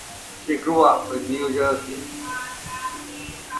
She grew up in New Jersey.